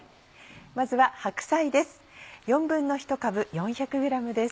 まずは白菜です。